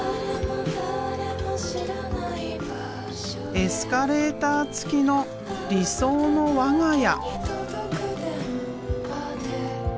エスカレーター付きの理想の我が家。